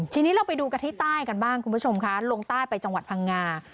ทีนี้เราไปดูกันที่ใต้กันบ้างคุณผู้ชมคะลงใต้ไปจังหวัดพังงา